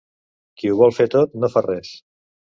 Qui ho vol fer tot, no fa res.